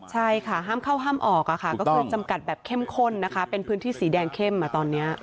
ใช่ค่ะห้ามเข้าห้ามออกก็คือจำกัดแบบเข้มข้นนะคะเป็นพื้นที่สีแดงเข้มตอนนี้